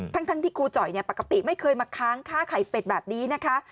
ทั้งที่ครูจ่อยปกติไม่เคยมาค้างค่าไข่เป็ดแบบนี้นะคะ